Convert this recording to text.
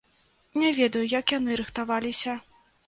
Не ведаю, як яны рыхтаваліся.